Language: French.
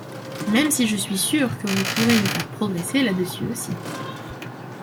même si je suis sûr que vous pourrez nous faire progresser là-dessus aussi.